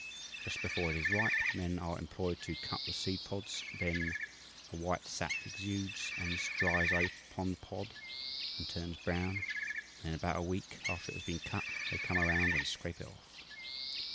Just before it is ripe men are employed to cut the seed pods, when a white sap exudes, and this dries upon the pod and turns brown, and in about a week after it has been cut they come around and scrape it off.